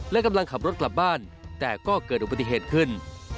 และกำลังขับรถกลับบ้านแต่ก็เกิดอุบัติเหตุขึ้น